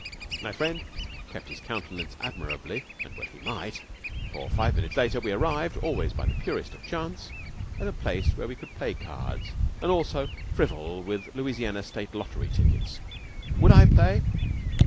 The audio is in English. My friend kept his countenance admirably, and well he might, for five minutes later we arrived, always by the purest of chance, at a place where we could play cards and also frivol with Louisiana State Lottery tickets. Would I play?